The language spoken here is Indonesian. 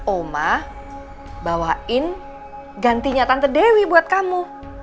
oma bawain gantinya tante dewi buat kamu